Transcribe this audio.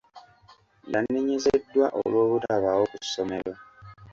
Yanenyezeddwa olw'obutabaawo ku ssomero.